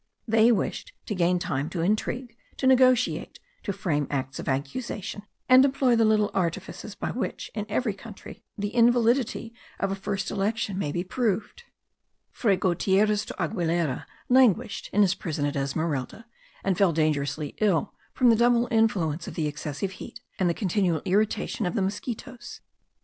They wished to gain time to intrigue, to negotiate, to frame acts of accusation, and employ the little artifices by which, in every country, the invalidity of a first election may be proved. Fray Gutierez do Aguilera languished in his prison at Esmeralda, and fell dangerously ill from the double influence of the excessive heat, and the continual irritation of the mosquitos.